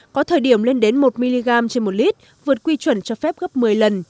có thời điểm lên đến một mg trên một lít vượt quy chuẩn cho phép gấp một mươi lần